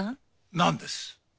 なんです？